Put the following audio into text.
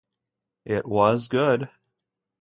It was good.